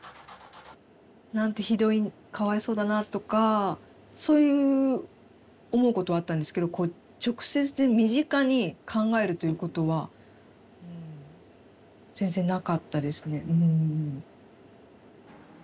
なんてひどいかわいそうだなとかそういう思うことはあったんですけどこう直接身近に考えるということはうん全然なかったですね。